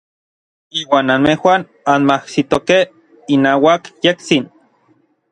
Iuan anmejuan anmajsitokej inauak yejtsin.